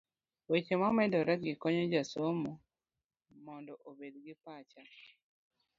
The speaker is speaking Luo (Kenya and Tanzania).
weche mamedoregi konyo jasomo mondo obed gi picha